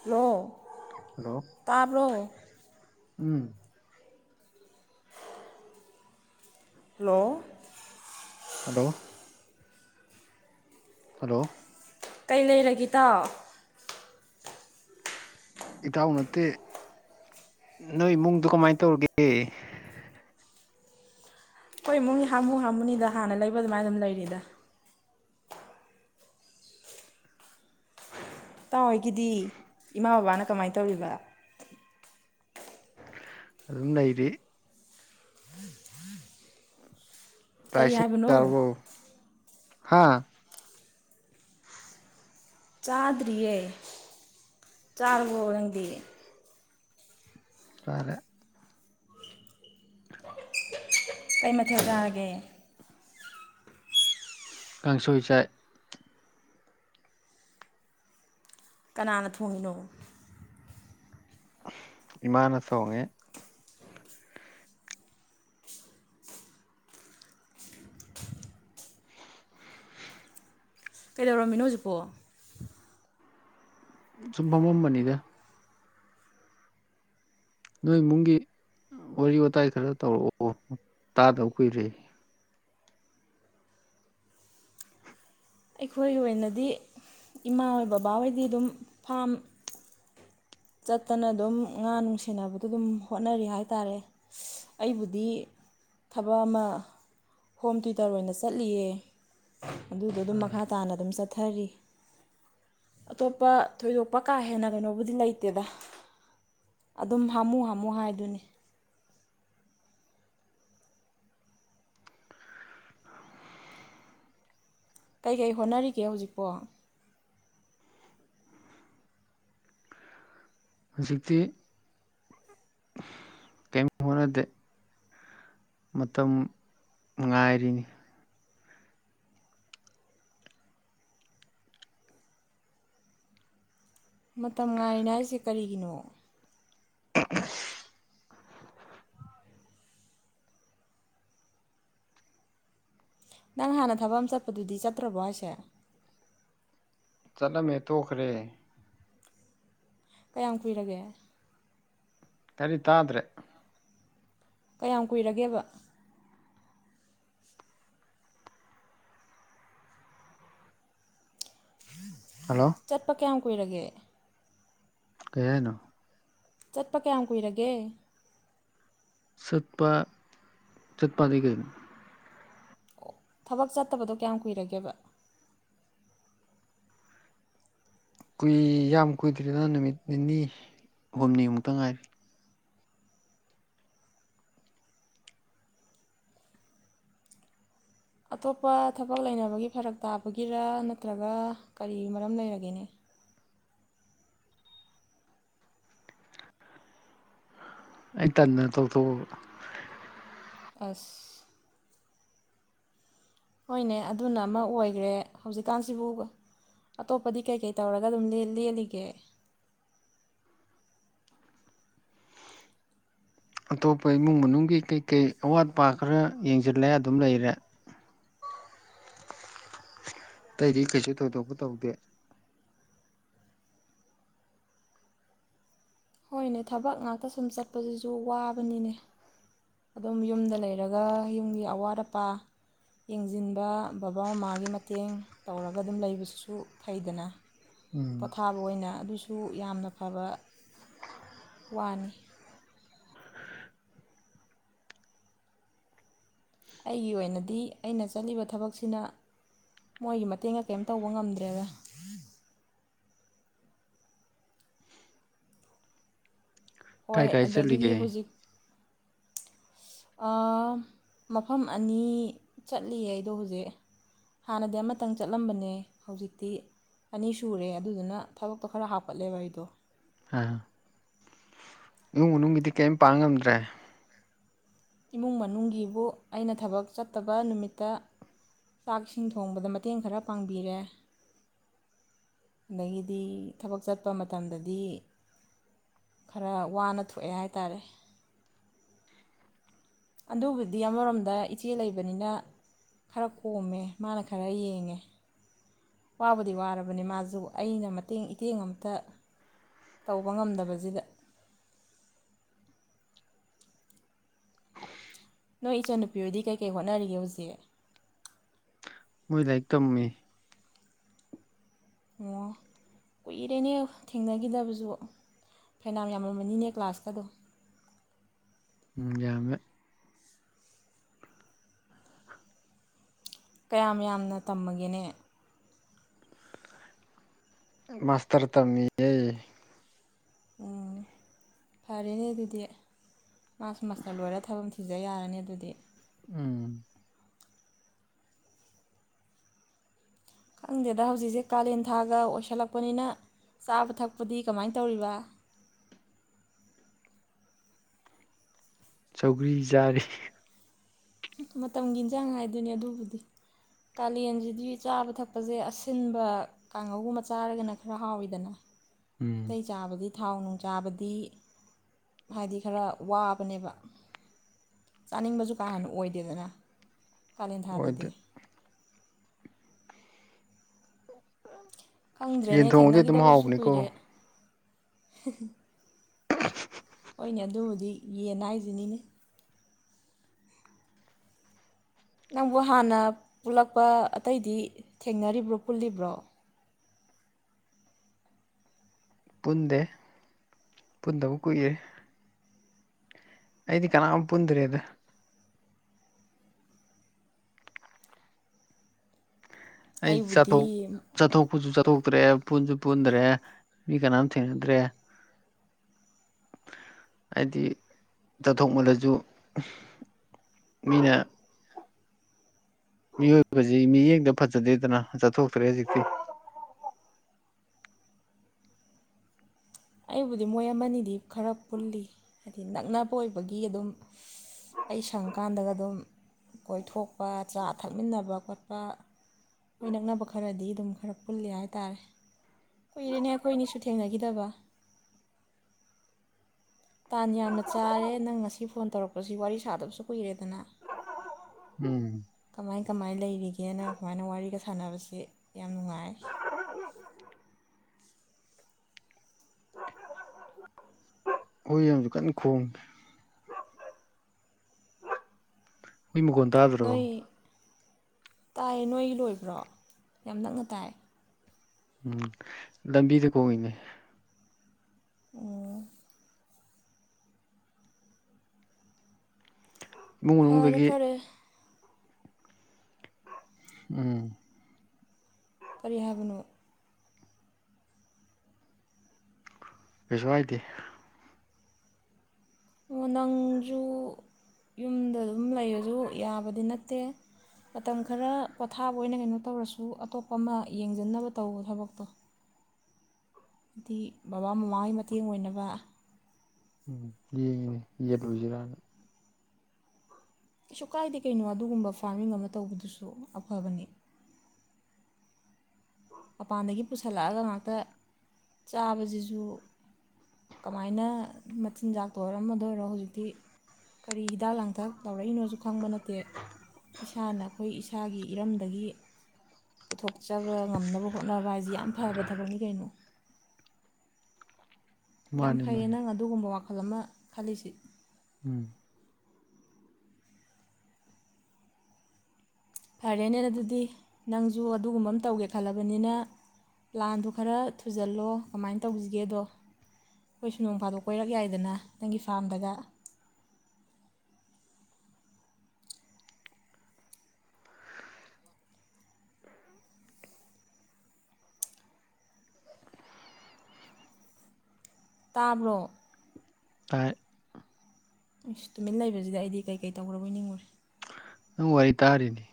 hello ꯇꯥꯕ꯭ꯔꯣ ꯎꯝ hello hello hello ꯀꯩ ꯂꯩꯔꯒꯦ ꯏꯇꯥꯎ ꯏꯇꯥꯎ ꯅꯠꯇꯦ ꯅꯣꯏ ꯏꯃꯨꯡꯗꯣ ꯀꯃꯥꯏꯅ ꯇꯧꯔꯤꯒꯦ ꯍꯣꯏ ꯏꯃꯨꯡ ꯍꯥꯃꯨ ꯍꯥꯃꯨꯅꯤꯗ ꯍꯥꯟꯅ ꯂꯩꯕ ꯑꯗꯨꯃꯥꯏꯅ ꯑꯗꯨꯝ ꯂꯩꯔꯤꯗ ꯇꯥꯡꯋꯥꯏꯒꯤꯗꯤ ꯏꯃꯥ ꯕꯕꯥꯅ ꯀꯃꯥꯏꯅ ꯇꯧꯔꯤꯕ ꯑꯗꯨꯝ ꯂꯩꯔꯤ ꯀꯔꯤ ꯄꯥꯏꯁ ꯍꯥꯏꯕꯅꯣ ꯇꯥꯔꯕ꯭ꯔꯣ ꯍꯥꯥ ꯆꯥꯗ꯭ꯔꯤꯌꯦ ꯆꯥꯔꯕꯣ ꯅꯪꯗꯤ ꯆꯥꯔꯦ ꯀꯩ ꯃꯊꯦꯜ ꯆꯥꯔꯒꯦ ꯀꯥꯡꯁꯣꯏ ꯆꯥꯏ ꯀꯅꯥꯅ ꯊꯣꯡꯉꯤꯅꯣ ꯏꯃꯥꯅ ꯊꯣꯡꯉꯦ ꯀꯩꯗꯧꯔꯝꯃꯤꯅꯣ ꯍꯧꯖꯤꯛꯄꯣ ꯁꯨꯃ ꯐꯝꯃꯝꯕꯅꯤꯗ ꯅꯣꯏ ꯏꯃꯨꯡꯒꯤ ꯋꯥꯔꯤ ꯋꯥꯇꯥꯏ ꯈꯔ ꯇꯧꯔꯛꯑꯣ ꯇꯥꯗꯕ ꯀꯨꯏꯔꯦ ꯑꯩꯈꯣꯏꯒꯤ ꯑꯣꯏꯅꯗꯤ ꯏꯃꯥ ꯍꯣꯏ ꯕꯕꯥꯍꯣꯏꯗꯤ ꯑꯗꯨꯝ ꯐꯥꯝ ꯆꯠꯇꯅ ꯑꯗꯨꯝ ꯉꯥ ꯅꯨꯡ ꯁꯦꯅꯕꯗꯣ ꯑꯗꯨꯝ ꯍꯣꯠꯅꯔꯤ ꯍꯥꯏ ꯇꯥꯔꯦ ꯑꯩꯕꯨꯗꯤ ꯊꯕꯛ ꯑꯃ ꯍꯣꯝ ꯇ꯭ꯌꯨꯇꯔ ꯑꯣꯏꯅ ꯆꯠꯂꯤꯌꯦ ꯑꯗꯨꯗꯣ ꯑꯗꯨꯝ ꯃꯈꯥ ꯇꯥꯅ ꯑꯗꯨꯝ ꯆꯠꯄ ꯆꯠꯊꯔꯤ ꯑꯇꯣꯞꯄ ꯊꯣꯏꯗꯣꯛꯄ ꯀꯥ ꯍꯦꯟꯅ ꯀꯩꯅꯣꯕꯨꯗꯤ ꯂꯩꯇ ꯗꯦꯗ ꯑꯗꯨꯝ ꯍꯥꯝꯃꯨ ꯍꯥꯝꯃꯨ ꯍꯥꯏꯗꯨꯣꯏꯅꯤ ꯀꯩꯀꯩ ꯍꯣꯠꯅꯔꯤꯒꯦ ꯍꯧꯖꯤꯛꯄꯣ ꯍꯧꯖꯤꯛꯇꯤ ꯀꯔꯤꯝ ꯍꯣꯠꯅꯗꯦ ꯃꯇꯝ ꯉꯥꯏꯔꯤꯅꯤ ꯃꯇꯝ ꯉꯥꯏꯔꯤꯅ ꯍꯥꯏꯁꯦ ꯀꯔꯤꯒꯤꯅꯣ ꯅꯪ ꯍꯥꯟꯅ ꯊꯕꯛ ꯑꯃ ꯆꯠꯄꯗꯨꯗꯤ ꯆꯠꯇ꯭ꯔꯕꯣ ꯍꯥꯏꯁꯦ ꯆꯠꯂꯝꯃꯦ ꯇꯣꯈꯔꯦ ꯀꯌꯥꯝ ꯀꯨꯏꯔꯒꯦ ꯀꯔꯤ ꯇꯥꯗ꯭ꯔꯦ ꯀꯌꯥꯝ ꯀꯨꯏꯔꯒꯦꯕ ꯍꯜꯂꯣ ꯆꯠꯄ ꯀꯌꯥꯝ ꯀꯨꯏꯔꯒꯦ ꯀꯩ ꯍꯥꯏꯅꯣ ꯆꯠꯄ ꯀꯌꯥꯝ ꯀꯨꯏꯔꯒꯦ ꯆꯠꯄ ꯆꯠꯄꯗꯤ ꯀꯩꯅꯣ ꯑꯣ ꯊꯕꯛ ꯆꯠꯇꯕꯗꯣ ꯀꯌꯥꯝ ꯀꯨꯏꯔꯒꯦꯕ ꯀꯨꯏ ꯌꯥꯝ ꯀꯨꯏꯗ꯭ꯔꯤꯗ ꯅꯨꯃꯤꯠ ꯅꯤꯅꯤ ꯍꯨꯝꯅꯤꯃꯨꯛꯇ ꯉꯥꯏꯔꯤ ꯑꯇꯣꯞꯄ ꯊꯕꯛ ꯂꯩꯅꯕꯒꯤ ꯐꯔꯛ ꯇꯥꯕꯒꯤꯔ ꯅꯠꯇ꯭ꯔꯒ ꯀꯔꯤ ꯃꯔꯝ ꯂꯩꯔꯒꯦꯅꯦ ꯑꯩ ꯇꯟꯗꯅ ꯇꯧꯊꯣꯛꯑꯕ ꯑꯁ ꯍꯣꯏꯅꯦ ꯑꯗꯨꯅ ꯑꯃ ꯑꯣꯏꯈ꯭ꯔꯦ ꯍꯧꯖꯤꯛꯀꯥꯟꯁꯤꯕꯨ ꯑꯇꯣꯞꯄꯗꯤ ꯀꯩꯀꯩ ꯇꯧꯔꯒ ꯑꯗꯨꯝ ꯂꯦꯜꯂꯤꯒꯦ ꯑꯇꯣꯞꯄ ꯏꯃꯨꯡ ꯃꯅꯨꯡꯒꯤ ꯀꯩꯀꯩ ꯑꯋꯥꯠꯄꯥ ꯈꯔ ꯌꯦꯡꯁꯤꯜꯂꯦ ꯑꯗꯨꯝ ꯂꯩꯔꯦ ꯑꯇꯩꯗꯤ ꯀꯩꯁꯨ ꯊꯣꯏꯗꯣꯛꯄ ꯇꯧꯗꯦ ꯍꯣꯏꯅꯦ ꯊꯕꯛ ꯉꯥꯛꯇ ꯁꯨꯝ ꯆꯠꯄꯁꯤꯁꯨ ꯑꯗꯨ ꯋꯥꯕꯅꯤꯅꯦ ꯑꯗꯨꯝ ꯌꯨꯝꯗ ꯂꯩꯔꯒ ꯌꯨꯝꯒꯤ ꯑꯋꯥꯠ ꯑꯄꯥ ꯌꯦꯡꯁꯤꯟꯕ ꯕꯕꯥ ꯃꯃꯥꯒꯤ ꯃꯇꯦꯡ ꯇꯧꯔꯒ ꯑꯗꯨꯝ ꯂꯩꯕꯁꯤꯁꯨ ꯐꯩꯗꯅ ꯎꯝ ꯄꯣꯊꯥꯕ ꯑꯣꯏꯅ ꯑꯗꯨꯁꯨ ꯁꯨ ꯌꯥꯝꯅ ꯐꯕ ꯋꯥꯅꯤ ꯑꯩꯒꯤ ꯑꯣꯏꯅꯗꯤ ꯑꯩꯅ ꯆꯠꯂꯤꯕ ꯊꯕꯛꯁꯤꯅ ꯃꯣꯏꯒꯤ ꯃꯇꯦꯡꯒ ꯀꯔꯤꯝ ꯇꯧꯕ ꯉꯝꯗ꯭ꯔꯦꯕ ꯀꯥꯏ ꯍꯣꯏ ꯀꯥꯏ ꯆꯠꯂꯤꯒꯦ ꯑꯗꯒꯤꯗꯤ ꯍꯧꯖꯤꯛ ꯃꯐꯝ ꯑꯅꯤ ꯆꯠꯂꯤꯌꯦ ꯑꯩꯗꯣ ꯍꯧꯖꯤꯛ ꯍꯥꯟꯅꯗꯤ ꯑꯃꯇꯪ ꯆꯠꯂꯝꯕꯅꯦ ꯍꯧꯖꯤꯛꯇꯤ ꯑꯅꯤ ꯁꯨꯔꯦ ꯑꯗꯨꯗꯨꯅ ꯊꯕꯛꯇꯣ ꯈꯔ ꯍꯥꯞꯀꯠꯂꯦꯕ ꯑꯩꯗꯣ ꯑ ꯏꯃꯨꯡ ꯃꯅꯨꯡꯒꯤꯗꯤ ꯀꯔꯤꯝ ꯄꯥꯡ ꯉꯝꯗ꯭ꯔꯦ ꯏꯃꯨꯡ ꯃꯅꯨꯡꯒꯤꯕꯨ ꯑꯩꯅ ꯊꯕꯛ ꯆꯠꯇꯕ ꯅꯨꯃꯤꯠꯇ ꯆꯥꯛꯁꯤꯡ ꯊꯣꯡꯕꯗ ꯃꯇꯦꯡ ꯈꯔ ꯄꯥꯡꯕꯤꯔꯦ ꯑꯗꯒꯤꯗꯤ ꯊꯕꯛ ꯆꯠꯄ ꯃꯇꯝꯗꯗꯤ ꯈꯔ ꯋꯥꯅ ꯊꯣꯛꯑꯦ ꯍꯥꯏꯇꯥꯥꯔꯦ ꯑꯗꯨꯕꯨꯗꯤ ꯑꯃꯔꯣꯝꯗ ꯏꯆꯦ ꯂꯩꯕꯅꯤꯅ ꯈꯔ ꯀꯣꯝꯃꯦ ꯃꯥꯅ ꯈꯔ ꯌꯦꯡꯉꯦ ꯋꯥꯕꯨꯗꯤ ꯋꯥꯔꯕꯅꯤ ꯃꯥꯁꯨ ꯑꯩꯅ ꯃꯇꯦꯡ ꯏꯇꯦꯡ ꯑꯝꯇ ꯇꯧꯕ ꯉꯝꯗꯕꯁꯤꯗ ꯅꯣꯏ ꯏꯆꯟꯅꯨꯄꯤ ꯑꯣꯏꯗꯤ ꯀꯩꯀꯩ ꯍꯣꯠꯅꯔꯤꯒꯦ ꯍꯧꯖꯤꯛ ꯃꯣꯏ ꯂꯥꯏꯔꯤꯛ ꯇꯝꯃꯤ ꯑꯣ ꯀꯨꯏꯔꯦꯅꯦ ꯊꯦꯡꯅꯈꯤꯗꯕꯁꯨ ꯐꯦꯅꯝ ꯌꯥꯝꯃꯝꯃꯅꯤꯅꯦ ꯀ꯭ꯂꯥꯁꯇꯗꯣ ꯎꯝ ꯌꯥꯝꯃꯦ ꯀꯌꯥꯝ ꯌꯥꯝꯅ ꯇꯝꯃꯒꯦꯅꯦ ꯃꯥꯁꯇꯔ ꯇꯝꯃꯤꯦ ꯎꯝ ꯐꯔꯦꯅꯦ ꯑꯗꯨꯗꯤ ꯃꯥꯁ ꯃꯥꯁꯅ ꯂꯣꯏꯔꯒ ꯊꯝꯁꯦ ꯁꯤꯗ ꯌꯥꯔꯅꯤ ꯑꯗꯨꯗꯤ ꯎꯝ ꯈꯪꯗꯦꯗ ꯍꯧꯖꯤꯛꯁꯦ ꯀꯥꯂꯦꯟ ꯊꯥꯒ ꯑꯣꯏꯁꯜꯂꯛꯄꯅꯤꯅ ꯆꯥꯕ ꯊꯛꯄꯗꯤ ꯀꯃꯥꯏꯅ ꯇꯧꯔꯤꯕ ꯁꯧꯒ꯭ꯔꯤ ꯆꯥꯔꯤ ꯃꯇꯝꯒꯤ ꯏꯟꯖꯥꯡ ꯍꯥꯏꯗꯨꯅꯤ ꯑꯗꯨꯕꯨꯗꯤ ꯀꯥꯂꯦꯟꯁꯤꯗꯤ ꯆꯥꯕ ꯊꯛꯄꯁꯦ ꯑꯁꯤꯟꯕ ꯀꯥꯡꯉꯧꯒꯨꯝꯕ ꯆꯥꯔꯒꯅ ꯈꯔ ꯍꯥꯎꯋꯤꯗꯅ ꯎꯝ ꯇꯩ ꯆꯥꯕꯗꯤ ꯊꯥꯎ ꯅꯨꯡ ꯆꯥꯕꯗꯤ ꯍꯥꯏꯗꯤ ꯈꯔ ꯋꯥꯕꯅꯦꯕ ꯆꯥꯅꯤꯡꯕꯁꯨ ꯀꯥ ꯍꯦꯟꯅ ꯑꯣꯏꯗꯦꯗꯅ ꯀꯥꯂꯦꯟ ꯊꯥꯗꯗꯗꯤ ꯍꯣꯏꯗ ꯎꯝ ꯈꯪꯗ꯭ꯔꯦꯅꯦ ꯊꯦꯡꯅꯈꯤꯗꯕꯁꯨ ꯀꯨꯏꯔꯦ [unintelligible] [unintelligible] ꯍꯣꯏꯅꯦ ꯑꯗꯨꯕꯨꯗꯤ ꯌꯦꯟ ꯍꯥꯏꯁꯤꯅꯤꯅꯦ ꯅꯪꯕꯨ ꯍꯥꯟꯅ ꯄꯨꯜꯂꯛꯄ ꯑꯇꯩꯗꯤ ꯊꯦꯡꯅꯔꯤꯕ꯭ꯔꯣ ꯄꯨꯜꯂꯤꯕ꯭ꯔꯣ ꯄꯨꯟꯗꯦ ꯄꯨꯟꯗꯕ ꯀꯨꯏꯔꯦ ꯑꯩꯗꯤ ꯀꯅꯥꯝ ꯄꯨꯟꯗ꯭ꯔꯦꯗ ꯑꯩ ꯆꯠꯊꯣꯛ ꯑꯩꯕꯨꯗꯤ ꯆꯠꯊꯣꯛꯄꯁꯨ ꯆꯠꯊꯣꯛ ꯇ꯭ꯔꯦ ꯄꯨꯟꯁꯨ ꯄꯨꯟꯗ꯭ꯔꯦ ꯃꯤ ꯀꯅꯥꯝ ꯊꯦꯡꯅꯗ꯭ꯔꯦ ꯍꯥꯏꯗꯤ ꯆꯠꯊꯣꯛ ꯃꯜꯂꯁꯨ ꯃꯤꯅ ꯃꯤꯑꯣꯏꯕꯁꯤ ꯃꯤꯠꯌꯦꯡꯗ ꯐꯖꯗꯦꯗꯅ ꯆꯠꯊꯣꯛꯇ꯭ꯔꯦ ꯍꯧꯖꯤꯛꯇꯤ ꯑꯩꯕꯨꯗꯤ ꯃꯣꯏ ꯑꯃꯅꯤꯗꯤ ꯈꯔ ꯄꯨꯜꯂꯤ ꯍꯥꯏꯗꯤ ꯅꯛꯅꯕ ꯑꯣꯏꯕꯒꯤ ꯑꯗꯨꯝ ꯑꯩ ꯁꯪꯀꯥꯟꯗꯒ ꯑꯗꯨꯝ ꯀꯣꯏꯊꯣꯛꯄ ꯆꯥ ꯊꯛꯃꯤꯟꯅꯕ ꯈꯣꯠꯄ ꯃꯣꯏ ꯅꯛꯅꯕ ꯈꯔꯗꯤ ꯑꯗꯨꯝ ꯈꯔ ꯄꯨꯜꯂꯤ ꯍꯥꯏ ꯇꯥꯔꯦ ꯀꯨꯏꯔꯦꯅꯦ ꯑꯩꯈꯣꯏꯅꯤꯁꯨ ꯊꯦꯡꯅꯈꯤꯗꯕ ꯇꯥꯟ ꯌꯥꯝꯅ ꯆꯥꯔꯦ ꯅꯪ ꯉꯁꯤ ꯐꯣꯟ ꯇꯧꯔꯛꯄꯁꯤ ꯋꯥꯔꯤ ꯁꯥꯗꯕꯁꯨ ꯀꯨꯏꯔꯦꯗꯅ ꯎꯝ ꯀꯃꯥꯏ ꯀꯃꯥꯏ ꯂꯩꯔꯤꯒꯦꯅ ꯁꯨꯃꯥꯏꯅ ꯋꯥꯔꯤꯒ ꯁꯥꯟꯅꯕꯁꯤ ꯌꯥꯝ ꯅꯨꯡꯉꯥꯏ [unintelligible] ꯀꯟꯅ ꯈꯣꯡ ꯍꯨꯏ ꯃꯈꯣꯟ ꯇꯥꯗ꯭ꯔꯣ ꯇꯥꯏꯌꯦ ꯅꯣꯏꯒꯤ ꯂꯣꯏꯕ꯭ꯔꯣ ꯌꯥꯝ ꯅꯛꯅ ꯇꯥꯏ ꯎꯝ ꯂꯝꯕꯤꯗ ꯈꯣꯡꯉꯤꯅꯦ ꯑꯣ ꯏꯃꯨꯡ ꯐꯔꯦ ꯃꯅꯨꯡꯗꯒꯤ ꯐꯔꯦ ꯎꯝ ꯀꯔꯤ ꯍꯥꯏꯕꯅꯣ ꯀꯩꯁꯨ ꯍꯥꯏꯗꯦ ꯑꯣ ꯅꯪꯁꯨ ꯌꯨꯝꯗ ꯑꯗꯨꯝ ꯂꯩꯔꯁꯨ ꯌꯥꯕꯗꯤ ꯅꯠꯇꯦ ꯃꯇꯝ ꯈꯔ ꯄꯣꯊꯥꯕ ꯑꯣꯏꯅ ꯀꯩꯅꯣ ꯇꯧꯔꯁꯨ ꯑꯇꯣꯞꯄ ꯑꯃ ꯌꯦꯡꯖꯟꯅꯕ ꯇꯧꯋꯣ ꯊꯕꯛꯇꯣ ꯍꯥꯏꯗꯤ ꯕꯕꯥ ꯃꯃꯥꯒꯤ ꯃꯇꯦꯡ ꯑꯣꯏꯅꯕ ꯎꯝ ꯌꯦꯡꯉꯤꯅꯦ ꯌꯦꯟꯂꯣꯏꯁꯤꯔꯅ ꯀꯩꯁꯨ ꯀꯥꯏꯗꯦ ꯀꯩꯅꯣ ꯑꯗꯨꯒꯨꯝꯕ ꯐꯥꯔꯃꯤꯡ ꯑꯃ ꯇꯧꯕꯗꯨꯁꯨ ꯑꯐꯕꯅꯤ ꯃꯄꯥꯟꯗꯒꯤ ꯄꯨꯁꯜꯂꯛꯑꯒ ꯉꯥꯛꯇ ꯆꯥꯕꯁꯤꯁꯨ ꯀꯃꯥꯏꯅ ꯃꯆꯤꯟꯖꯥꯛꯇ ꯑꯣꯏꯔꯣ ꯑꯃꯗ ꯑꯣꯏꯔꯣ ꯍꯧꯖꯤꯛꯇꯤ ꯀꯔꯤ ꯍꯤꯗꯥꯛ ꯂꯥꯡꯊꯛ ꯇꯧꯔꯛꯏꯅꯣꯁꯨ ꯈꯪꯕ ꯅꯠꯇꯦ ꯏꯁꯥꯅ ꯑꯈꯣꯏ ꯏꯁꯥꯒꯤ ꯏꯔꯝꯗꯒꯤ ꯄꯨꯊꯣꯛꯆꯕ ꯉꯝꯅꯕ ꯍꯣꯠꯅꯕ ꯑꯁꯤ ꯌꯥꯝ ꯐꯕ ꯊꯕꯛꯅꯤ ꯀꯩꯅꯣ ꯌꯥꯝ ꯃꯥꯅꯦ ꯐꯩꯌꯦ ꯃꯥꯅꯦ ꯅꯪ ꯑꯗꯨꯒꯨꯝꯕ ꯋꯥꯈꯜ ꯈꯜ ꯑꯃ ꯈꯜꯂꯤꯁꯤ ꯎꯝ ꯐꯔꯦꯅꯦ ꯑꯗꯨꯗꯤ ꯅꯪꯁꯨ ꯑꯗꯨꯒꯨꯝꯕ ꯑꯃ ꯇꯧꯒꯦ ꯈꯜꯂꯕꯅꯤꯅ ꯄ꯭ꯂꯥꯟꯗꯨ ꯈꯔ ꯊꯨꯖꯜꯂꯣ ꯀꯃꯥꯏꯅ ꯇꯧꯁꯤꯒꯦꯗꯣ ꯑꯩꯈꯣꯏꯁꯨ ꯅꯣꯡ ꯐꯥꯗꯣꯛ ꯀꯣꯏꯔꯛ ꯌꯥꯏꯗꯅ ꯅꯪꯒꯤ ꯐꯥꯔꯝꯗꯗ ꯇꯥꯕ꯭ꯔꯣ ꯇꯥꯏ ꯏꯁꯁ ꯇꯨꯃꯤꯟ ꯂꯩꯕꯁꯤꯗ ꯑꯩꯗꯤ ꯀꯩꯀꯩ ꯇꯧꯔꯕꯣꯏ ꯅꯤꯡꯉꯨꯔ ꯍ ꯋꯥꯔꯤ ꯋꯥꯔꯤ ꯇꯥꯔꯤꯅꯤ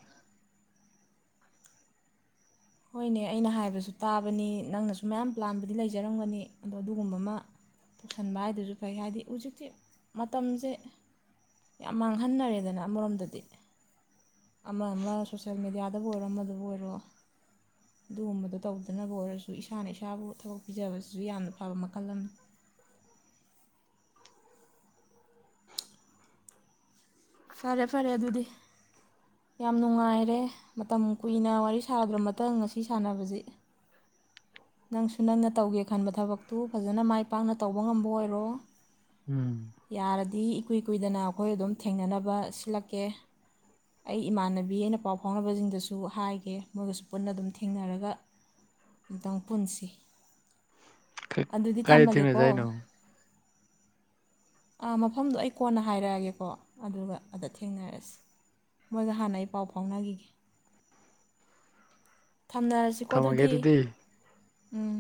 ꯍꯣꯏꯅꯦ ꯑꯩꯅ ꯍꯥꯏꯕꯁꯨ ꯇꯥꯕꯅꯤ ꯅꯪꯅꯁꯨ ꯃꯌꯥꯝ ꯄ꯭ꯂꯥꯟꯕꯕꯨꯗꯤ ꯂꯩꯖꯔꯝꯒꯅꯤ ꯑꯗꯣ ꯑꯗꯨꯒꯨꯝꯕ ꯑꯃ ꯇꯧꯁꯟꯕ ꯍꯥꯏꯗꯨꯁꯨ ꯐꯩ ꯍꯥꯏꯗꯤ ꯍꯧꯖꯤꯛꯁꯦ ꯃꯇꯝꯁꯦ ꯌꯥꯝ ꯃꯥꯡꯍꯟꯅꯔꯦꯗꯅ ꯑꯃꯔꯣꯝꯗꯗꯤ ꯑꯃ ꯑꯃ ꯁꯣꯁꯦꯜ ꯃꯦꯗꯤꯌꯥꯗꯕꯨ ꯑꯣꯏꯔꯣ ꯑꯃꯗꯕꯨ ꯑꯣꯏꯔꯣ ꯑꯗꯨꯒꯨꯝꯕꯗ ꯇꯧꯗꯅꯕꯕꯨ ꯑꯣꯏꯔꯁꯨ ꯏꯁꯥꯅ ꯏꯁꯥꯕꯨ ꯊꯕꯛ ꯄꯤꯖꯕꯁꯦ ꯁꯨ ꯌꯥꯝꯅ ꯐꯕ ꯃꯈꯜ ꯑꯃꯅꯤ [unintelligible] ꯐꯔꯦ ꯐꯔꯦ ꯑꯗꯨꯗꯤ ꯌꯥꯝ ꯅꯨꯡꯉꯥꯏꯔꯦ ꯃꯇꯝ ꯀꯨꯏꯅ ꯋꯥꯔꯤ ꯁꯥꯗ꯭ꯔꯃꯇ ꯉꯁꯤ ꯁꯥꯟꯅꯕꯁꯤ ꯅꯪꯁꯨ ꯅꯪꯅ ꯇꯧꯒꯦ ꯈꯟꯕ ꯊꯕꯛꯇꯨ ꯐꯖꯅ ꯃꯥꯏ ꯄꯥꯛꯅ ꯇꯧꯕ ꯉꯝꯕ ꯑꯣꯏꯔꯣ ꯎꯝ ꯌꯥꯔꯗꯤ ꯏꯀꯨꯏ ꯀꯨꯏꯗꯅ ꯑꯩꯈꯣꯏ ꯑꯗꯨꯝ ꯊꯦꯡꯅꯅꯕ ꯁꯤꯜꯂꯛꯀꯦ ꯑꯩ ꯏꯃꯥꯟꯅꯕꯤ ꯑꯩꯅ ꯄꯥꯎ ꯐꯥꯎꯅꯕꯁꯤꯡꯗꯁꯨ ꯍꯥꯏꯒꯦ ꯃꯣꯏꯒꯁꯨ ꯄꯨꯟꯅ ꯑꯗꯨꯝ ꯊꯦꯡꯅꯔꯒ ꯑꯃꯝꯇꯪ ꯄꯨꯟꯁꯤ ꯑꯗꯨꯗꯤ ꯀꯥꯏꯗ ꯊꯦꯡꯅꯁꯦ ꯊꯝꯃꯒꯦꯀꯣ ꯍꯥꯏꯅꯣ ꯥ ꯃꯐꯝꯗꯣ ꯑꯩ ꯀꯣꯟꯅ ꯍꯥꯏꯔꯛꯑꯒꯦꯀꯣ ꯑꯗꯨꯒ ꯑꯗ ꯊꯦꯡꯅꯔꯁꯤ ꯃꯣꯏꯒ ꯍꯥꯟꯅ ꯑꯩ ꯄꯥꯎ ꯐꯥꯎꯅꯈꯤꯒꯦ ꯊꯝꯅꯔꯁꯤꯀꯣ ꯑꯗꯨꯗꯤ ꯎꯝ